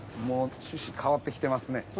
もう趣旨変わってきてますね。